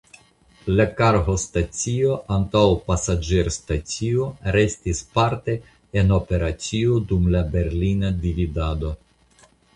La kargostacio antaŭ la pasaĝerstacio restis parte en operacio dum la Berlina dividado.